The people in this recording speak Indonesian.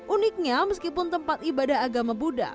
uniknya meskipun tempat ibadah agama buddha